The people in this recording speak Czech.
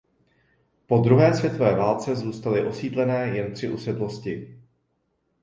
Po druhé světové válce zůstaly osídlené jen tři usedlosti.